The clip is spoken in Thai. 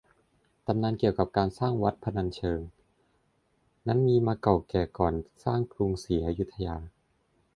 ตำนานเกี่ยวกับการสร้างวัดพนัญเชิงนั้นมีมาเก่าแก่ก่อนสร้างกรุงศรีอยุธยา